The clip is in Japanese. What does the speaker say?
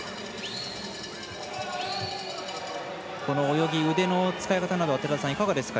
この泳ぎ、腕の使い方などはいかがですか？